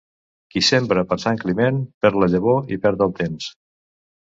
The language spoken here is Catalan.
Qui sembra per Sant Climent, perd la llavor i perd el temps.